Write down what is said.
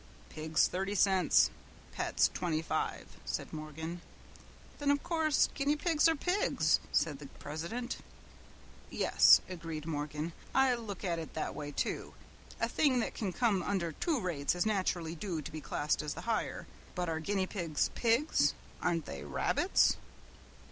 "Pigs thirty cents, pets twenty five," said Morgan. "Then of course guinea pigs are pigs," said the president. "Yes," agreed Morgan, "I look at it that way, too. A thing that can come under two rates is naturally due to be classed as the higher. But are guinea pigs, pigs? Aren't they rabbits?"